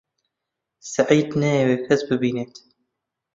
سەعید نایەوێت کەس ببینێت.